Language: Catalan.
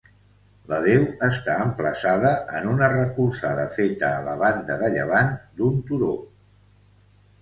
La deu està emplaçada en una recolzada feta a la banda de llevant d'un turó.